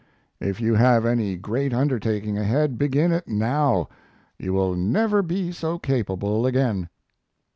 If you have any great undertaking ahead, begin it now. You will never be so capable again."